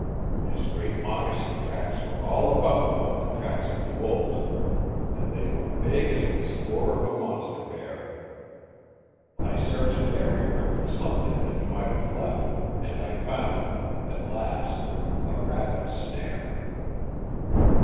His great moccasin tracks were all about among the tracks of the wolves, and they were big as the spoor of a monster bear. I searched everywhere for something that he might have left, and I found at last a rabbit snare."